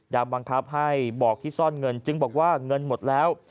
บังคับให้บอกที่ซ่อนเงินจึงบอกว่าเงินหมดแล้ว